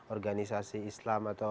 organisasi islam atau